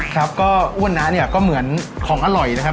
ครับก็อ้วนนะเนี่ยก็เหมือนของอร่อยนะครับ